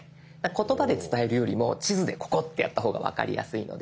言葉で伝えるよりも地図でここってやった方が分かりやすいので。